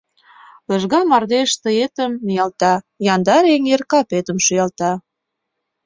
Лыжга мардеж тыетым ниялта; Яндар эҥер капетым шӱялта.